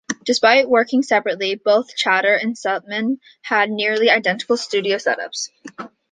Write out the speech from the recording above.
Despite working separately, both Chater and Seltmann had nearly identical studio set-ups.